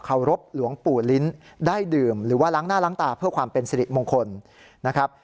รบหลวงปู่ลิ้นได้ดื่มหรือว่าล้างหน้าล้างตาเพื่อความเป็นสิริมงคลนะครับ